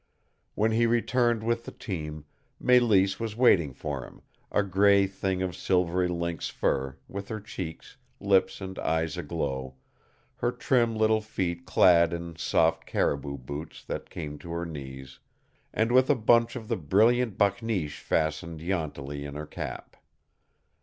When he returned with the team, Mélisse was waiting for him, a gray thing of silvery lynx fur, with her cheeks, lips and eyes aglow, her trim little feet clad in soft caribou boots that came to her knees, and with a bunch of the brilliant bakneesh fastened jauntily in her cap.